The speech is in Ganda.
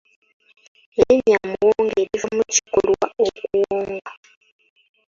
Erinnya Muwonge liva mu kikolwa okuwonga.